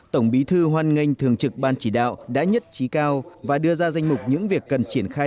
tổng bí thư hoan nghênh thường trực ban chỉ đạo đã nhất trí cao và đưa ra danh mục những việc cần triển khai